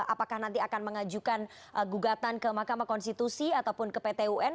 apakah nanti akan mengajukan gugatan ke mahkamah konstitusi ataupun ke pt un